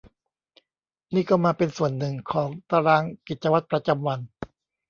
นี่ก็มาเป็นส่วนหนึ่งของตารางกิจวัตรประจำวัน